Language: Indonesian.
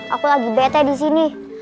aku lagi bete disini